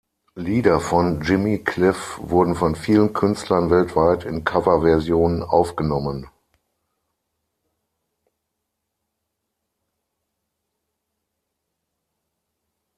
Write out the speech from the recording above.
Lieder von Jimmy Cliff wurden von vielen Künstlern weltweit in Coverversionen aufgenommen.